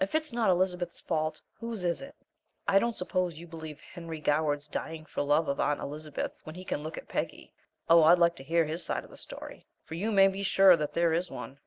If it's not Elizabeth's fault, whose is it? I don't suppose you believe Henry Goward's dying for love of Aunt Elizabeth when he can look at Peggy! Oh, I'd like to hear his side of the story! For you may be sure that there is one!"